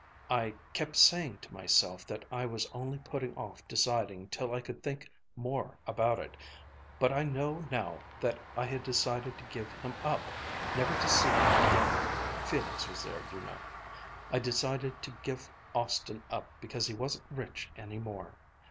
I kept saying to myself that I was only putting off deciding till I could think more about it, but I know now that I had decided to give him up, never to see him again Felix was there, you know I'd decided to give Austin up because he wasn't rich any more.